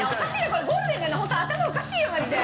これゴールデンなのにホント頭おかしいよマジで。